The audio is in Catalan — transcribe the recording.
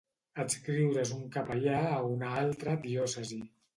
Adscriure's un capellà a una altra diòcesi.